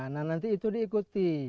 nah nanti itu diikuti